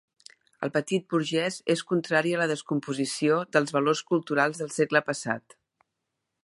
El petit burgès és contrari a la descomposició dels valors culturals del segle passat.